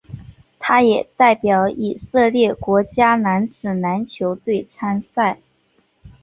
他也代表以色列国家男子篮球队参赛。